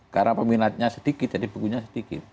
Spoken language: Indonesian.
karena peminatnya sedikit jadi bukunya sedikit